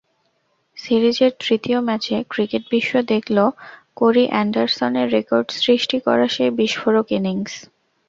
সিরিজের তৃতীয় ম্যাচে ক্রিকেটবিশ্ব দেখল কোরি অ্যান্ডারসনের রেকর্ডসৃষ্টি করা সেই বিস্ফোরক ইনিংস।